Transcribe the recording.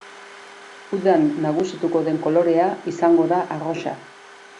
Udan nagusituko den kolorea izango da arrosa.